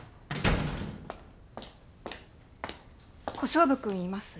・小勝負君います？